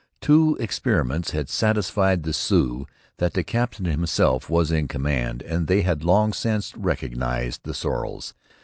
Two experiments had satisfied the Sioux that the captain himself was in command and they had long since recognized the sorrels.